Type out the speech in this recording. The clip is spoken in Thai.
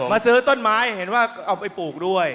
มาซื้อต้นไม้ยังไม่ถือว่าเอาไปปลูกด้วย